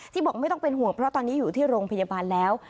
บอกไม่ต้องเป็นห่วงเพราะตอนนี้อยู่ที่โรงพยาบาลแล้ว